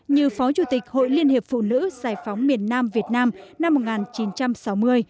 như phó chủ tịch hội liên hiệp phụ nữ giải phóng miền nam việt nam năm một nghìn chín trăm sáu mươi